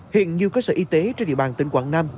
hiện nhiều cơ sở y tế trên địa bàn tỉnh quảng nam